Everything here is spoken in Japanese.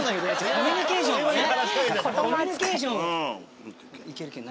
コミュニケーション。